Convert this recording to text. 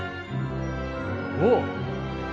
おっ！